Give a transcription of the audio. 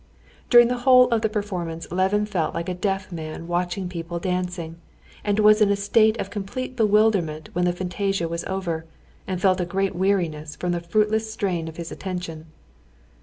During the whole of the performance Levin felt like a deaf man watching people dancing, and was in a state of complete bewilderment when the fantasia was over, and felt a great weariness from the fruitless strain on his attention.